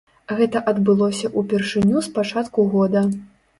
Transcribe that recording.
Гэта адбылося ўпершыню з пачатку года.